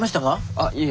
あっいえ。